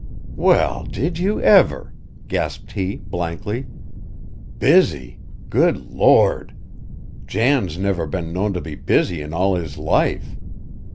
"Well, did you ever!" gasped he, blankly. "Busy! Good Lord! Jan's never been known to be busy in all his life.